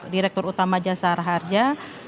direktur utama jasara harja